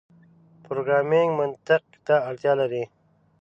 پروګرامنګ منطق ته اړتیا لري.